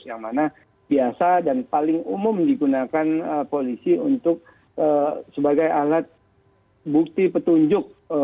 yang mana biasa dan paling umum digunakan polisi untuk sebagai alat bukti petunjuk